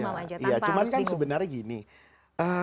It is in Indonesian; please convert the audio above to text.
jadi jelas ya clear ya